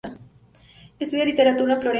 Estudia literatura en Florencia.